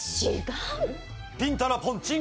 ピンタラポンチンガー。